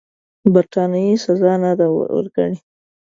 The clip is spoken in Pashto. برټانیې سزا نه ده ورکړې.